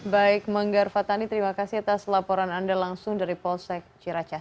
baik manggar fatani terima kasih atas laporan anda langsung dari polsek ciracas